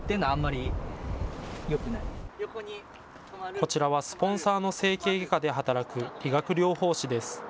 こちらは、スポンサーの整形外科で働く理学療法士です。